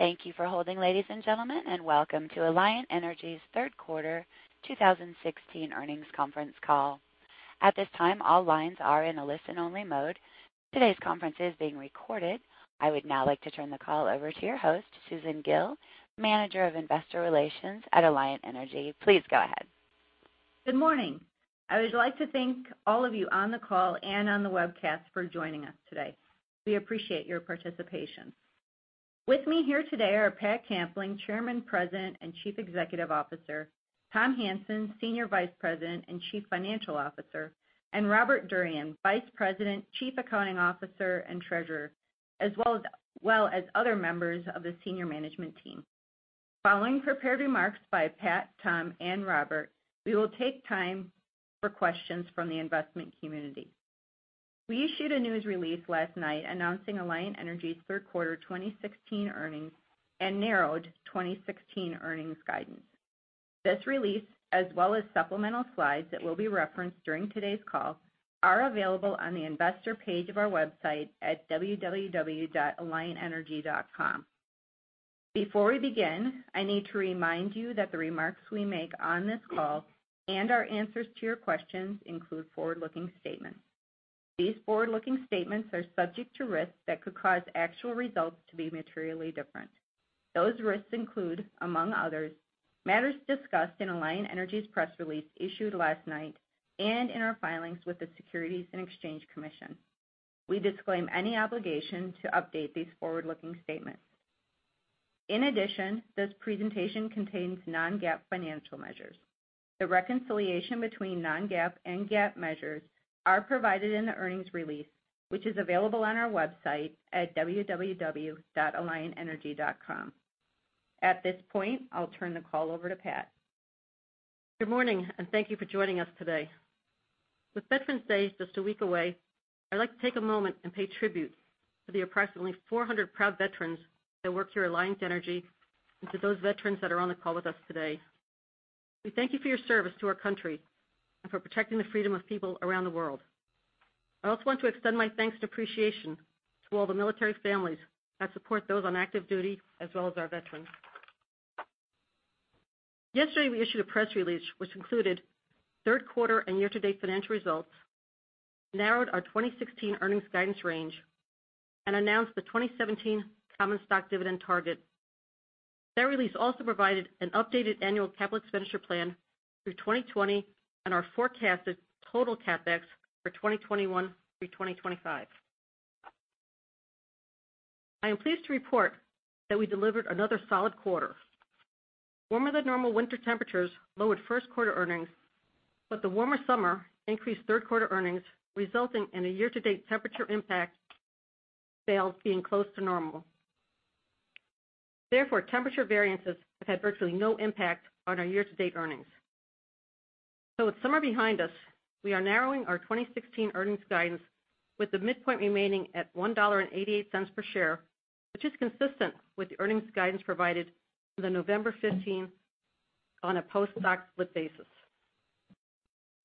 Thank you for holding, ladies and gentlemen, and welcome to Alliant Energy's third quarter 2016 earnings conference call. At this time, all lines are in a listen-only mode. Today's conference is being recorded. I would now like to turn the call over to your host, Susan Gille, Manager of Investor Relations at Alliant Energy. Please go ahead. Good morning. I would like to thank all of you on the call and on the webcast for joining us today. We appreciate your participation. With me here today are Pat Kampling, Chairman, President, and Chief Executive Officer, Tom Hanson, Senior Vice President and Chief Financial Officer, and Robert Durian, Vice President, Chief Accounting Officer, and Treasurer, as well as other members of the senior management team. Following prepared remarks by Pat, Tom, and Robert, we will take time for questions from the investment community. We issued a news release last night announcing Alliant Energy's third quarter 2016 earnings and narrowed 2016 earnings guidance. This release, as well as supplemental slides that will be referenced during today's call, are available on the investor page of our website at www.alliantenergy.com. Before we begin, I need to remind you that the remarks we make on this call and our answers to your questions include forward-looking statements. These forward-looking statements are subject to risks that could cause actual results to be materially different. Those risks include, among others, matters discussed in Alliant Energy's press release issued last night and in our filings with the Securities and Exchange Commission. We disclaim any obligation to update these forward-looking statements. In addition, this presentation contains non-GAAP financial measures. The reconciliation between non-GAAP and GAAP measures are provided in the earnings release, which is available on our website at www.alliantenergy.com. At this point, I'll turn the call over to Pat. Good morning. Thank you for joining us today. With Veterans Day just a week away, I'd like to take a moment and pay tribute to the approximately 400 proud veterans that work here at Alliant Energy, and to those veterans that are on the call with us today. We thank you for your service to our country and for protecting the freedom of people around the world. I also want to extend my thanks and appreciation to all the military families that support those on active duty as well as our veterans. Yesterday, we issued a press release which included third quarter and year-to-date financial results, narrowed our 2016 earnings guidance range, and announced the 2017 common stock dividend target. That release also provided an updated annual capital expenditure plan through 2020 and our forecasted total CapEx for 2021 through 2025. I am pleased to report that we delivered another solid quarter. Warmer-than-normal winter temperatures lowered first quarter earnings, but the warmer summer increased third-quarter earnings, resulting in a year-to-date temperature impact sales being close to normal. Therefore, temperature variances have had virtually no impact on our year-to-date earnings. With summer behind us, we are narrowing our 2016 earnings guidance, with the midpoint remaining at $1.88 per share, which is consistent with the earnings guidance provided on the November 15 on a post-stock split basis.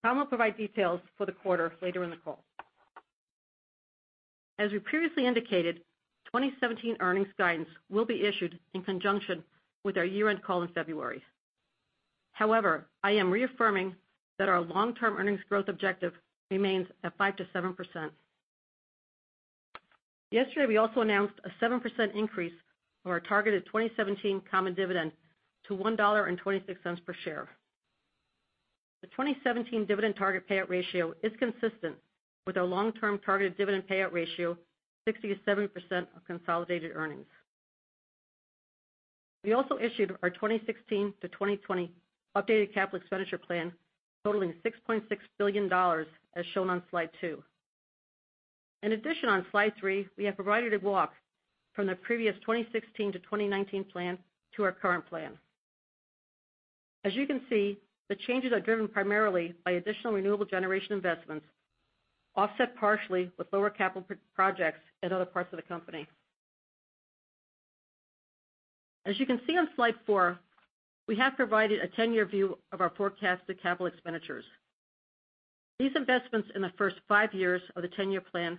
Tom will provide details for the quarter later in the call. As we previously indicated, 2017 earnings guidance will be issued in conjunction with our year-end call in February. I am reaffirming that our long-term earnings growth objective remains at 5%-7%. Yesterday, we also announced a 7% increase on our targeted 2017 common dividend to $1.26 per share. The 2017 dividend target payout ratio is consistent with our long-term targeted dividend payout ratio, 60%-70% of consolidated earnings. We also issued our 2016-2020 updated capital expenditure plan totaling $6.6 billion, as shown on slide two. On slide three, we have provided a walk from the previous 2016-2019 plan to our current plan. The changes are driven primarily by additional renewable generation investments, offset partially with lower capital projects at other parts of the company. On slide four, we have provided a 10-year view of our forecasted capital expenditures. These investments in the first five years of the 10-year plan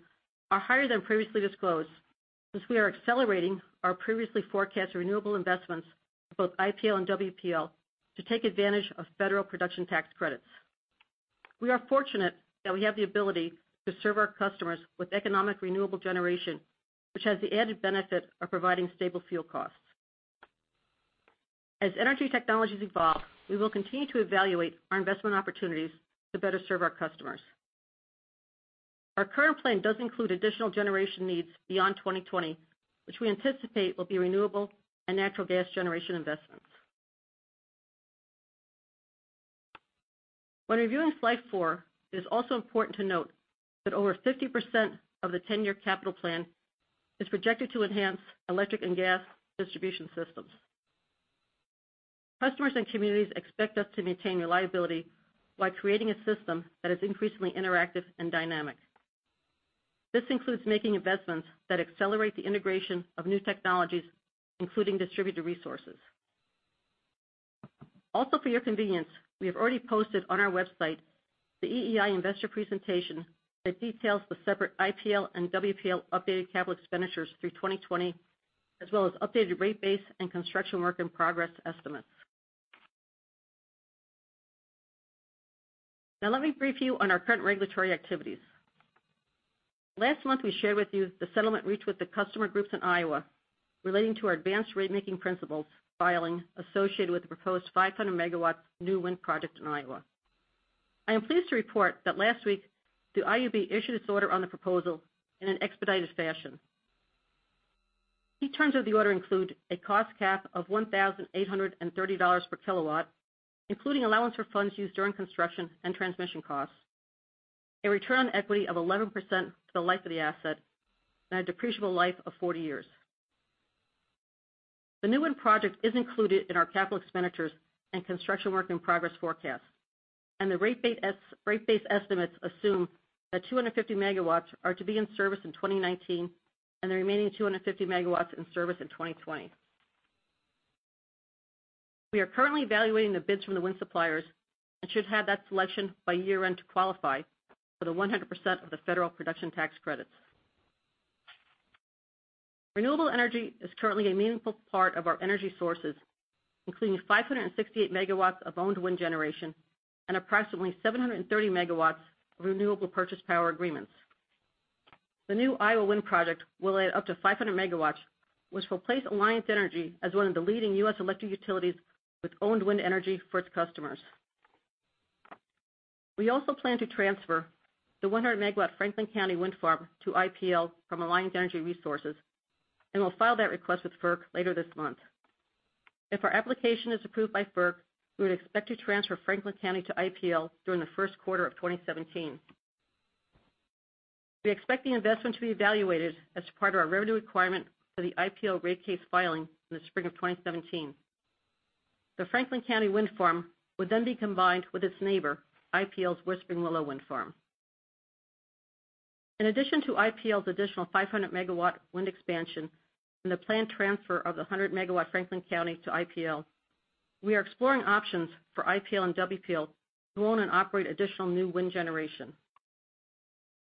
are higher than previously disclosed, since we are accelerating our previously forecast renewable investments for both IPL and WPL to take advantage of federal production tax credits. We are fortunate that we have the ability to serve our customers with economic renewable generation, which has the added benefit of providing stable fuel costs. As energy technologies evolve, we will continue to evaluate our investment opportunities to better serve our customers. Our current plan does include additional generation needs beyond 2020, which we anticipate will be renewable and natural gas generation investments. When reviewing slide four, it is also important to note that over 50% of the 10-year capital plan is projected to enhance electric and gas distribution systems. Customers and communities expect us to maintain reliability while creating a system that is increasingly interactive and dynamic. This includes making investments that accelerate the integration of new technologies, including distributed resources. For your convenience, we have already posted on our website the EEI investor presentation that details the separate IPL and WPL updated capital expenditures through 2020, as well as updated rate base and construction work in progress estimates. Let me brief you on our current regulatory activities. Last month, we shared with you the settlement reached with the customer groups in Iowa relating to our advance ratemaking principles filing associated with the proposed 500-megawatt new wind project in Iowa. I am pleased to report that last week, the IUB issued its order on the proposal in an expedited fashion. Key terms of the order include a cost cap of $1,830 per kilowatt, including allowance for funds used during construction and transmission costs, a return on equity of 11% for the life of the asset, and a depreciable life of 40 years. The new wind project is included in our capital expenditures and construction work in progress forecast, and the rate base estimates assume that 250 megawatts are to be in service in 2019, and the remaining 250 megawatts in service in 2020. We are currently evaluating the bids from the wind suppliers and should have that selection by year-end to qualify for the 100% of the federal production tax credits. Renewable energy is currently a meaningful part of our energy sources, including 568 megawatts of owned wind generation and approximately 730 megawatts of renewable purchase power agreements. The new Iowa wind project will add up to 500 megawatts, which will place Alliant Energy as one of the leading U.S. electric utilities with owned wind energy for its customers. We also plan to transfer the 100-megawatt Franklin County Wind Farm to IPL from Alliant Energy Resources, and we'll file that request with FERC later this month. If our application is approved by FERC, we would expect to transfer Franklin County to IPL during the first quarter of 2017. We expect the investment to be evaluated as part of our revenue requirement for the IPL rate case filing in the spring of 2017. The Franklin County Wind Farm would then be combined with its neighbor, IPL's Whispering Willow Wind Farm. In addition to IPL's additional 500-megawatt wind expansion and the planned transfer of the 100-megawatt Franklin County to IPL, we are exploring options for IPL and WPL to own and operate additional new wind generation.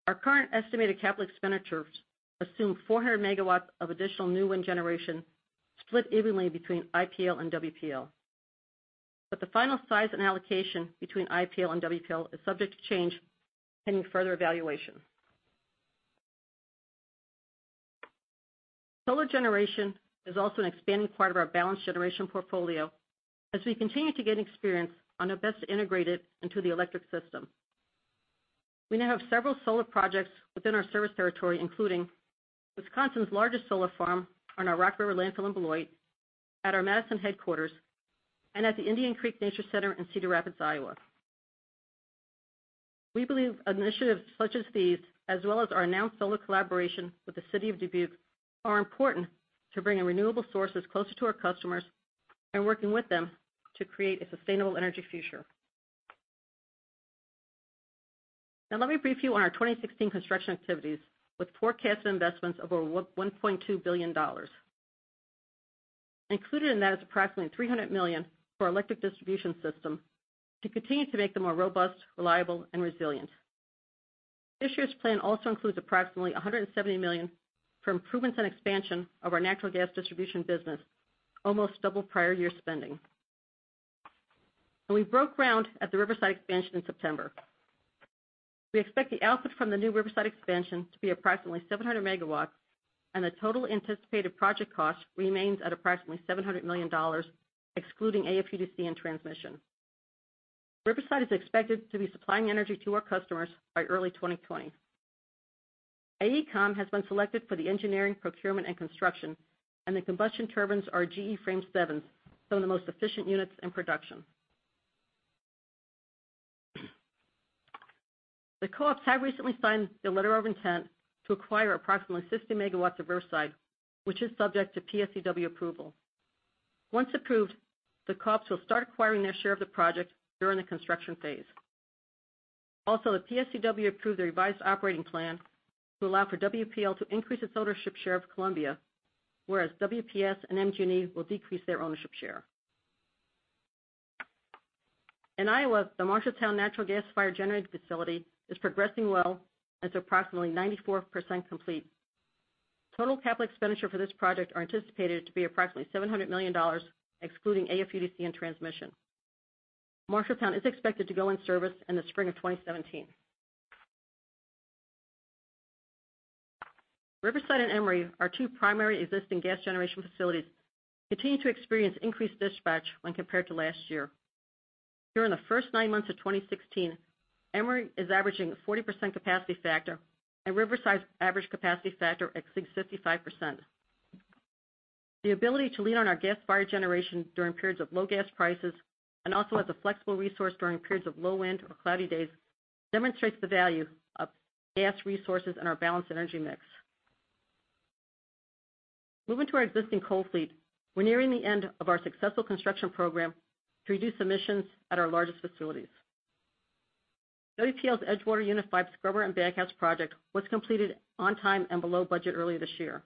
Our current estimated capital expenditures assume 400 megawatts of additional new wind generation split evenly between IPL and WPL. The final size and allocation between IPL and WPL is subject to change pending further evaluation. Solar generation is also an expanding part of our balanced generation portfolio as we continue to gain experience on how best to integrate it into the electric system. We now have several solar projects within our service territory, including Wisconsin's largest solar farm on our Rock River landfill in Beloit, at our Madison headquarters, and at the Indian Creek Nature Center in Cedar Rapids, Iowa. We believe initiatives such as these, as well as our announced solar collaboration with the city of Dubuque, are important to bringing renewable sources closer to our customers and working with them to create a sustainable energy future. Now let me brief you on our 2016 construction activities with forecast investments over $1.2 billion. Included in that is approximately $300 million for our electric distribution system to continue to make them more robust, reliable, and resilient. This year's plan also includes approximately $170 million for improvements and expansion of our natural gas distribution business, almost double prior year spending. We broke ground at the Riverside expansion in September. We expect the output from the new Riverside expansion to be approximately 700 megawatts, and the total anticipated project cost remains at approximately $700 million, excluding AFUDC and transmission. Riverside is expected to be supplying energy to our customers by early 2020. AECOM has been selected for the engineering, procurement, and construction, and the combustion turbines are GE Frame 7s, some of the most efficient units in production. The co-ops have recently signed the letter of intent to acquire approximately 60 megawatts of Riverside, which is subject to PSCW approval. Once approved, the co-ops will start acquiring their share of the project during the construction phase. Also, the PSCW approved a revised operating plan to allow for WPL to increase its ownership share of Columbia, whereas WPS and MGE will decrease their ownership share. In Iowa, the Marshalltown Natural Gas Fired Generating Facility is progressing well and is approximately 94% complete. Total capital expenditure for this project are anticipated to be approximately $700 million, excluding AFUDC and transmission. Marshalltown is expected to go in service in the spring of 2017. Riverside and Emery, our two primary existing gas generation facilities, continue to experience increased dispatch when compared to last year. During the first nine months of 2016, Emery is averaging a 40% capacity factor, and Riverside's average capacity factor exceeds 55%. The ability to lean on our gas-fired generation during periods of low gas prices and also as a flexible resource during periods of low wind or cloudy days demonstrates the value of gas resources in our balanced energy mix. Moving to our existing coal fleet, we're nearing the end of our successful construction program to reduce emissions at our largest facilities. WPL's Edgewater Unit 5 scrubber and baghouse project was completed on time and below budget earlier this year.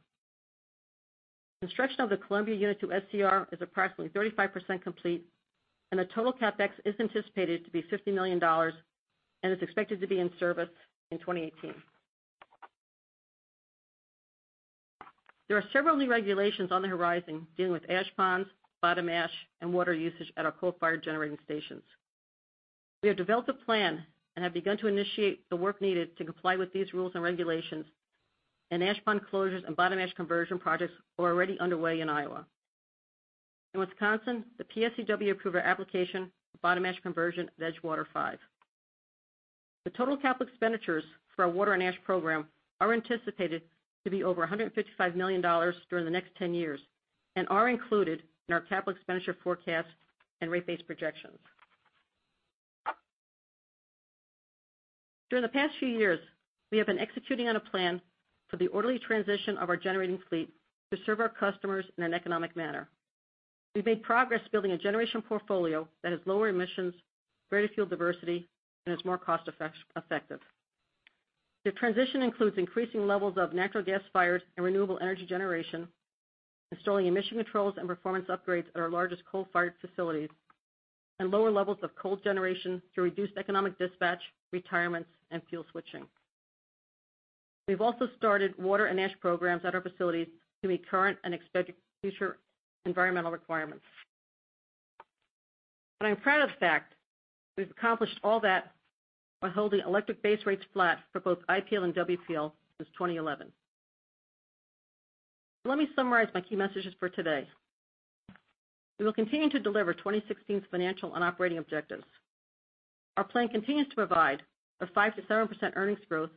Construction of the Columbia Unit 2 SCR is approximately 35% complete, and the total CapEx is anticipated to be $50 million and is expected to be in service in 2018. There are several new regulations on the horizon dealing with ash ponds, bottom ash, and water usage at our coal-fired generating stations. We have developed a plan and have begun to initiate the work needed to comply with these rules and regulations, and ash pond closures and bottom ash conversion projects are already underway in Iowa. In Wisconsin, the PSCW approved our application for bottom ash conversion at Edgewater 5. The total capital expenditures for our water and ash program are anticipated to be over $155 million during the next 10 years and are included in our capital expenditure forecast and rate base projections. During the past few years, we have been executing on a plan for the orderly transition of our generating fleet to serve our customers in an economic manner. We've made progress building a generation portfolio that has lower emissions, greater fuel diversity, and is more cost-effective. The transition includes increasing levels of natural gas fires and renewable energy generation, installing emission controls and performance upgrades at our largest coal-fired facilities, and lower levels of coal generation through reduced economic dispatch, retirements, and fuel switching. We've also started water and ash programs at our facilities to meet current and expected future environmental requirements. I'm proud of the fact we've accomplished all that while holding electric base rates flat for both IPL and WPL since 2011. Let me summarize my key messages for today. We will continue to deliver 2016's financial and operating objectives. Our plan continues to provide a 5%-7% earnings growth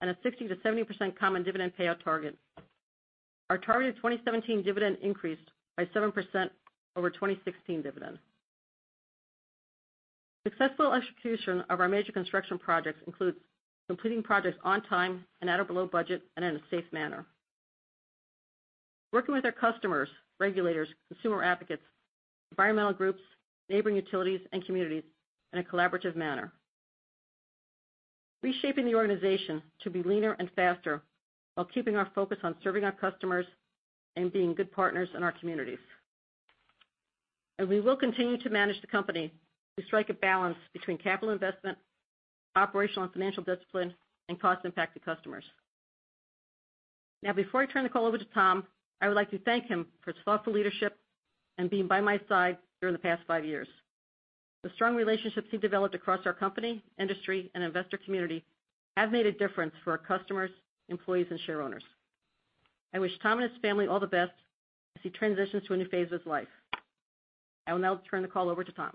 and a 60%-70% common dividend payout target. Our targeted 2017 dividend increased by 7% over 2016 dividend. Successful execution of our major construction projects includes completing projects on time and at or below budget, and in a safe manner. Working with our customers, regulators, consumer advocates, environmental groups, neighboring utilities, and communities in a collaborative manner. Reshaping the organization to be leaner and faster while keeping our focus on serving our customers and being good partners in our communities. We will continue to manage the company to strike a balance between capital investment, operational and financial discipline, and cost impact to customers. Before I turn the call over to Tom, I would like to thank him for his thoughtful leadership and being by my side during the past five years. The strong relationships he developed across our company, industry, and investor community have made a difference for our customers, employees, and shareowners. I wish Tom and his family all the best as he transitions to a new phase of his life. I will now turn the call over to Tom.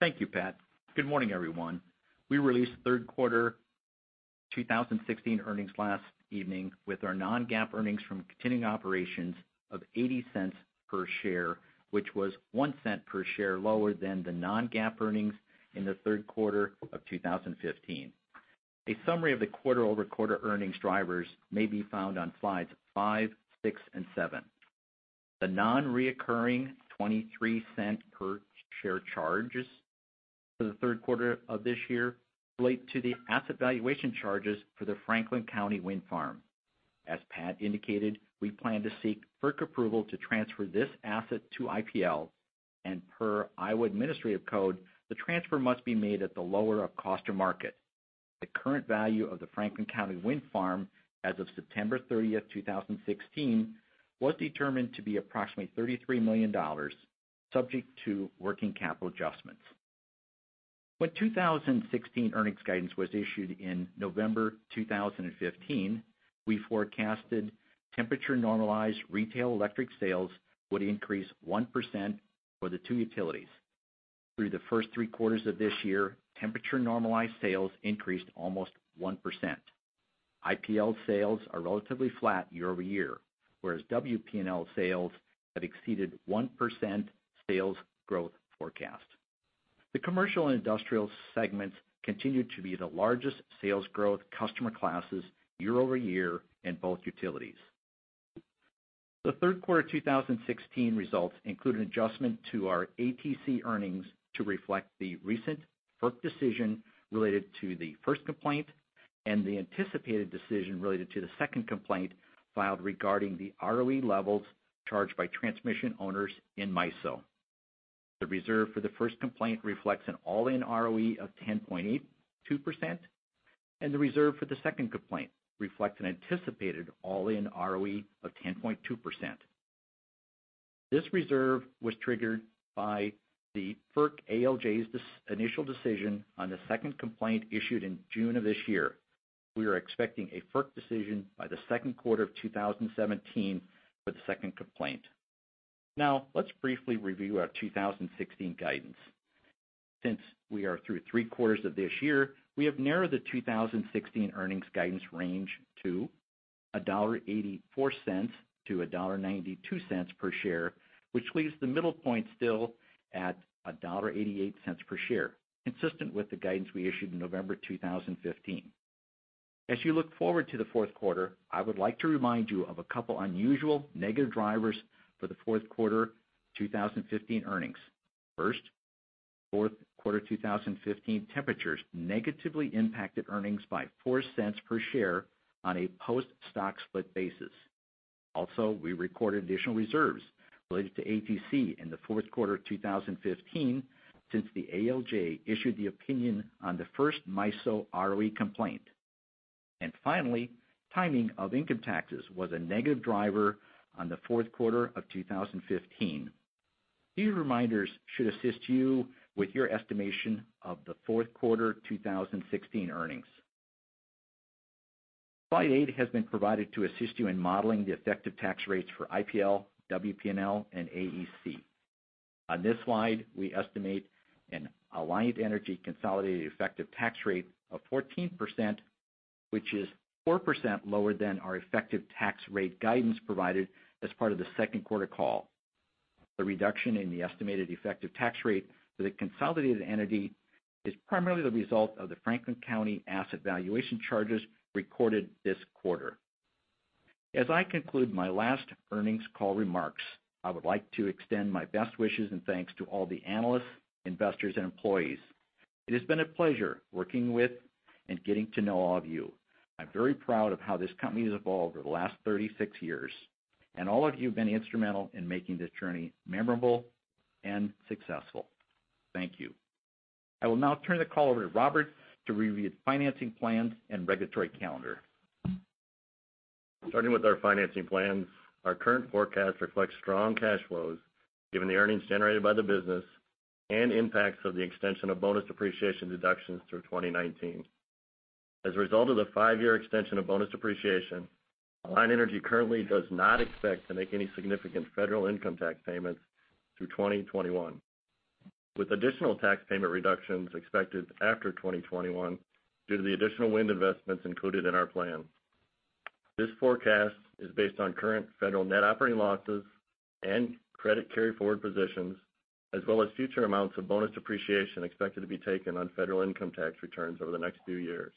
Thank you, Pat. Good morning, everyone. We released third quarter 2016 earnings last evening with our non-GAAP earnings from continuing operations of $0.80 per share, which was $0.01 per share lower than the non-GAAP earnings in the third quarter of 2015. A summary of the quarter-over-quarter earnings drivers may be found on slides five, six, and seven. The non-recurring $0.23 per share charges for the third quarter of this year relate to the asset valuation charges for the Franklin County Wind Farm. As Pat indicated, we plan to seek FERC approval to transfer this asset to IPL, and per Iowa Administrative Code, the transfer must be made at the lower of cost or market. The current value of the Franklin County Wind Farm as of September 30, 2016, was determined to be approximately $33 million, subject to working capital adjustments. When 2016 earnings guidance was issued in November 2015, we forecasted temperature-normalized retail electric sales would increase 1% for the two utilities. Through the first three quarters of this year, temperature-normalized sales increased almost 1%. IPL sales are relatively flat year-over-year, whereas WPL sales have exceeded 1% sales growth forecast. The commercial and industrial segments continued to be the largest sales growth customer classes year-over-year in both utilities. The third quarter 2016 results include an adjustment to our ATC earnings to reflect the recent FERC decision related to the first complaint and the anticipated decision related to the second complaint filed regarding the ROE levels charged by transmission owners in MISO. The reserve for the first complaint reflects an all-in ROE of 10.82%, and the reserve for the second complaint reflects an anticipated all-in ROE of 10.2%. This reserve was triggered by the FERC ALJ's initial decision on the second complaint issued in June of this year. We are expecting a FERC decision by the second quarter of 2017 for the second complaint. Let's briefly review our 2016 guidance. Since we are through three quarters of this year, we have narrowed the 2016 earnings guidance range to $1.84-$1.92 per share, which leaves the middle point still at $1.88 per share, consistent with the guidance we issued in November 2015. As you look forward to the fourth quarter, I would like to remind you of a couple unusual negative drivers for the fourth quarter 2015 earnings. First, fourth quarter 2015 temperatures negatively impacted earnings by $0.04 per share on a post-stock split basis. We recorded additional reserves related to ATC in the fourth quarter of 2015, since the ALJ issued the opinion on the first MISO ROE complaint. Finally, timing of income taxes was a negative driver on the fourth quarter of 2015. These reminders should assist you with your estimation of the fourth quarter 2016 earnings. Slide eight has been provided to assist you in modeling the effective tax rates for IPL, WPL, and AEC. On this slide, we estimate an Alliant Energy consolidated effective tax rate of 14%, which is 4% lower than our effective tax rate guidance provided as part of the second quarter call. The reduction in the estimated effective tax rate for the consolidated entity is primarily the result of the Franklin County asset valuation charges recorded this quarter. As I conclude my last earnings call remarks, I would like to extend my best wishes and thanks to all the analysts, investors, and employees. It has been a pleasure working with and getting to know all of you. I'm very proud of how this company has evolved over the last 36 years, and all of you have been instrumental in making this journey memorable and successful. Thank you. I will now turn the call over to Robert to review financing plans and regulatory calendar. Starting with our financing plans. Our current forecast reflects strong cash flows given the earnings generated by the business and impacts of the extension of bonus depreciation deductions through 2019. As a result of the five-year extension of bonus depreciation, Alliant Energy currently does not expect to make any significant federal income tax payments through 2021, with additional tax payment reductions expected after 2021 due to the additional wind investments included in our plan. This forecast is based on current federal net operating losses and credit carryforward positions, as well as future amounts of bonus depreciation expected to be taken on federal income tax returns over the next few years.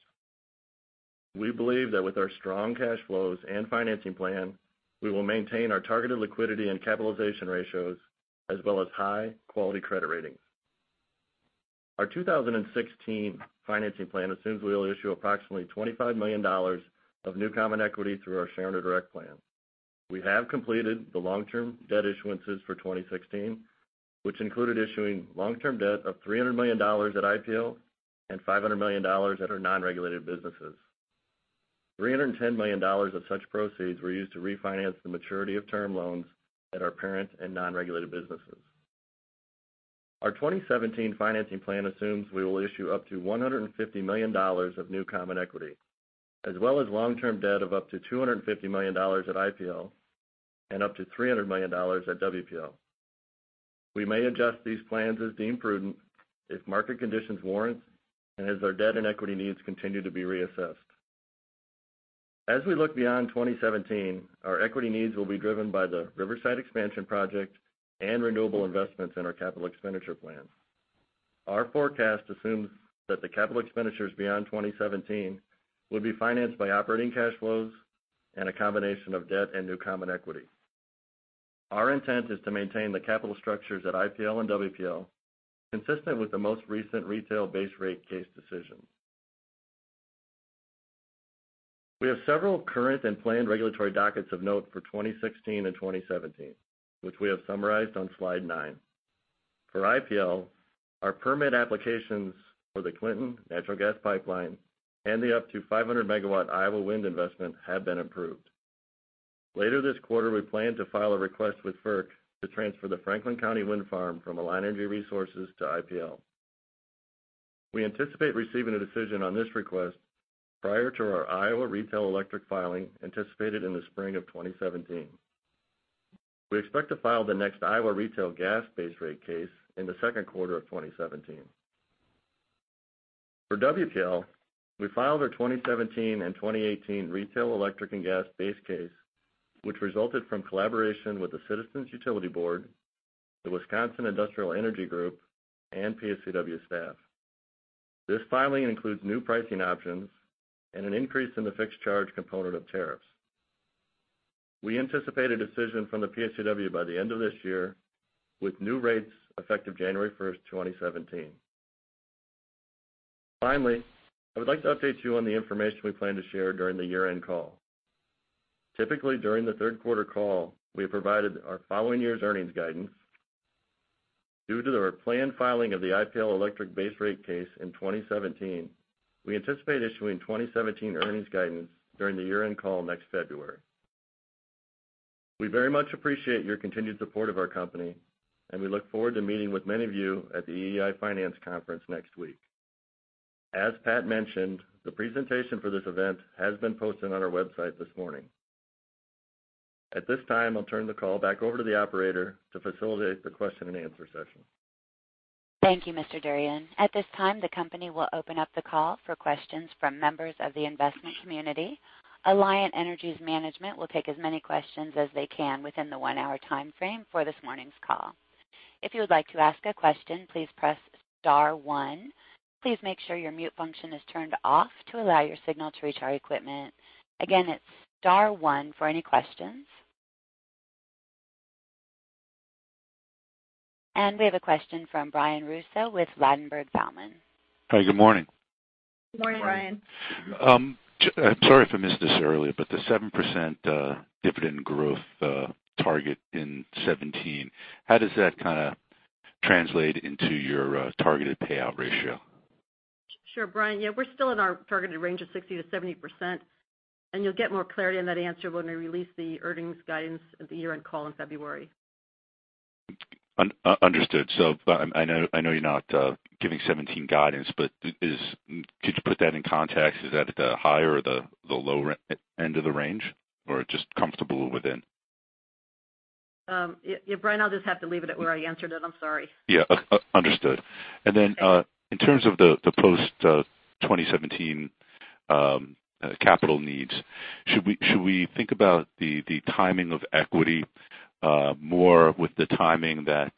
We believe that with our strong cash flows and financing plan, we will maintain our targeted liquidity and capitalization ratios as well as high-quality credit ratings. Our 2016 financing plan assumes we'll issue approximately $25 million of new common equity through our Shareowner Direct Plan. We have completed the long-term debt issuances for 2016, which included issuing long-term debt of $300 million at IPL and $500 million at our non-regulated businesses. $310 million of such proceeds were used to refinance the maturity of term loans at our parent and non-regulated businesses. Our 2017 financing plan assumes we will issue up to $150 million of new common equity, as well as long-term debt of up to $250 million at IPL and up to $300 million at WPL. We may adjust these plans as deemed prudent if market conditions warrant and as our debt and equity needs continue to be reassessed. As we look beyond 2017, our equity needs will be driven by the Riverside expansion project and renewable investments in our capital expenditure plans. Our forecast assumes that the capital expenditures beyond 2017 will be financed by operating cash flows and a combination of debt and new common equity. Our intent is to maintain the capital structures at IPL and WPL consistent with the most recent retail base rate case decision. We have several current and planned regulatory dockets of note for 2016 and 2017, which we have summarized on slide nine. For IPL, our permit applications for the Clinton natural gas pipeline and the up to 500-megawatt Iowa wind investment have been approved. Later this quarter, we plan to file a request with FERC to transfer the Franklin County Wind Farm from Alliant Energy Resources to IPL. We anticipate receiving a decision on this request prior to our Iowa retail electric filing anticipated in the spring of 2017. We expect to file the next Iowa retail gas base rate case in the second quarter of 2017. For WPL, we filed our 2017 and 2018 retail electric and gas base case, which resulted from collaboration with the Citizens Utility Board, the Wisconsin Industrial Energy Group, and PSCW staff. This filing includes new pricing options and an increase in the fixed charge component of tariffs. We anticipate a decision from the PSCW by the end of this year, with new rates effective January 1st, 2017. Finally, I would like to update you on the information we plan to share during the year-end call. Typically, during the third quarter call, we have provided our following year's earnings guidance. Due to our planned filing of the IPL electric base rate case in 2017, we anticipate issuing 2017 earnings guidance during the year-end call next February. We very much appreciate your continued support of our company. We look forward to meeting with many of you at the EEI Financial Conference next week. As Pat mentioned, the presentation for this event has been posted on our website this morning. At this time, I'll turn the call back over to the operator to facilitate the question and answer session. Thank you, Mr. Durian. At this time, the company will open up the call for questions from members of the investment community. Alliant Energy's management will take as many questions as they can within the one-hour time frame for this morning's call. If you would like to ask a question, please press star one. Please make sure your mute function is turned off to allow your signal to reach our equipment. Again, it's star one for any questions. We have a question from Brian Russo with Ladenburg Thalmann. Hi, good morning. Good morning, Brian. Sorry if I missed this earlier, the 7% dividend growth target in 2017, how does that kind of translate into your targeted payout ratio? Sure, Brian. Yeah, we're still in our targeted range of 60%-70%, and you'll get more clarity on that answer when we release the earnings guidance at the year-end call in February. Understood. I know you're not giving 2017 guidance, could you put that in context? Is that at the higher or the lower end of the range, or just comfortable within? Brian, I'll just have to leave it at where I answered it. I'm sorry. Yeah. Understood. Then, in terms of the post-2017 capital needs, should we think about the timing of equity more with the timing that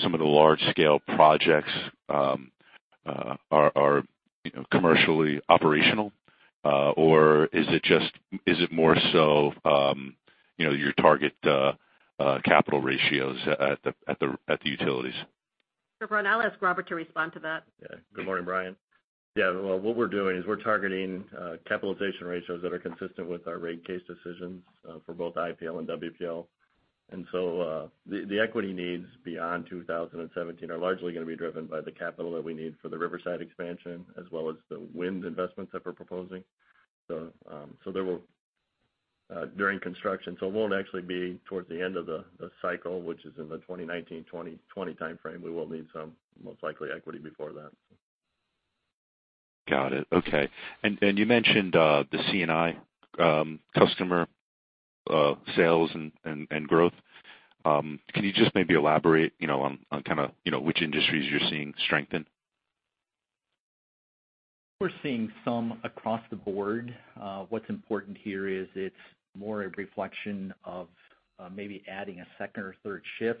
some of the large-scale projects are commercially operational? Is it more so your target capital ratios at the utilities? Sure, Brian. I'll ask Robert to respond to that. Good morning, Brian. What we're doing is we're targeting capitalization ratios that are consistent with our rate case decisions for both IPL and WPL. The equity needs beyond 2017 are largely going to be driven by the capital that we need for the Riverside expansion, as well as the wind investments that we're proposing during construction. It won't actually be towards the end of the cycle, which is in the 2019, 2020 timeframe. We will need some, most likely, equity before that. Got it. Okay. You mentioned the C&I customer sales and growth. Can you just maybe elaborate on kind of which industries you're seeing strengthen? We're seeing some across the board. What's important here is it's more a reflection of maybe adding a second or third shift.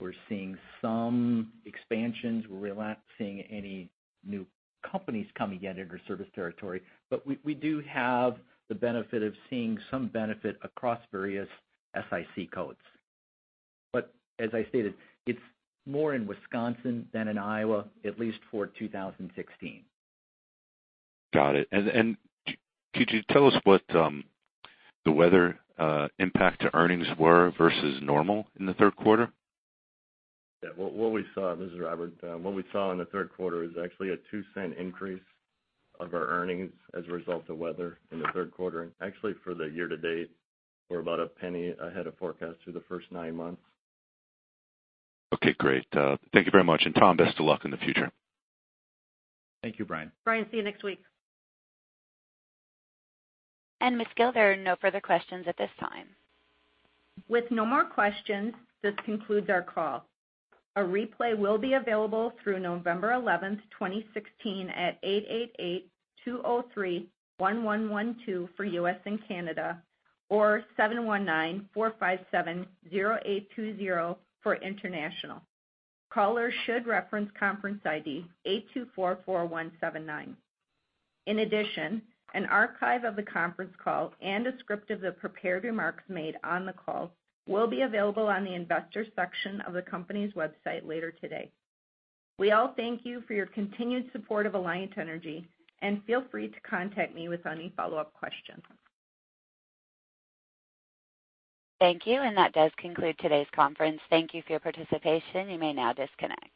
We're seeing some expansions. We're not seeing any new companies coming yet into our service territory, but we do have the benefit of seeing some benefit across various SIC codes. As I stated, it's more in Wisconsin than in Iowa, at least for 2016. Got it. Could you tell us what the weather impact to earnings were versus normal in the third quarter? Yeah. This is Robert. What we saw in the third quarter is actually a $0.02 increase of our earnings as a result of weather in the third quarter. For the year to date, we're about $0.01 ahead of forecast through the first nine months. Okay, great. Thank you very much. Tom, best of luck in the future. Thank you, Brian. Brian, see you next week. Ms. Gille, there are no further questions at this time. With no more questions, this concludes our call. A replay will be available through November 11th, 2016, at 888-203-1112 for U.S. and Canada or 719-457-0820 for international. Callers should reference conference ID 8244179. In addition, an archive of the conference call and a script of the prepared remarks made on the call will be available on the investor section of the company's website later today. We all thank you for your continued support of Alliant Energy, feel free to contact me with any follow-up questions. Thank you, that does conclude today's conference. Thank you for your participation. You may now disconnect.